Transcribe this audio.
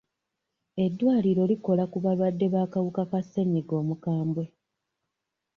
Eddwaliro likola ku balwadde b'akawuka ka ssenyigga omukambwe.